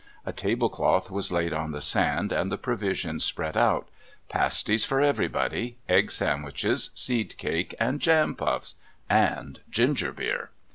A tablecloth was laid on the sand and the provisions spread out pasties for everybody, egg sandwiches, seed cake, and jam puffs and ginger beer.